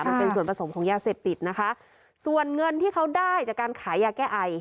มันเป็นส่วนผสมของยาเสพติดนะคะส่วนเงินที่เขาได้จากการขายยาแก้ไอ